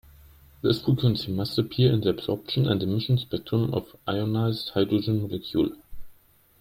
This frequency must appear in the absorption and emission spectrum of ionized hydrogen molecule.